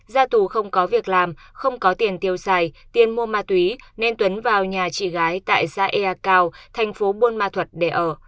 ra tù không có việc làm không có tiền tiêu xài tiền mua ma túy nên tuấn vào nhà chị gái tại gia ea cao thành phố bunma thuật để ở